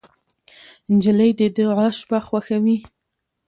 نجلۍ د دعا شپه خوښوي.